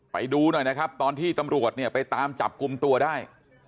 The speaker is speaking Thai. ไปดูหน่อยนะครับตอนที่ตำรวจเนี่ยไปตามจับกลุ่มตัวได้